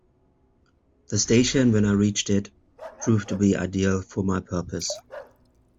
The station, when I reached it, proved to be ideal for my purpose.